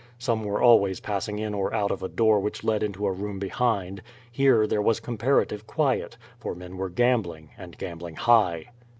Some were always passing in or out of a door which led into a room behind. Here there was comparative quiet, for men were gambling, and gambling high.